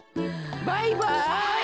バイバイ。